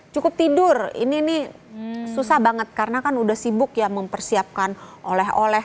cukup tidur ini nih susah banget karena kan udah sibuk ya mempersiapkan oleh oleh